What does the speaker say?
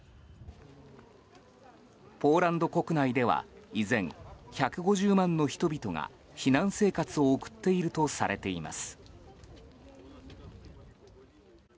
ポーランド国内では依然１５０万の人々が避難生活を送っているとされています。